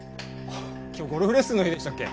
今日ゴルフレッスンの日でしたっけ。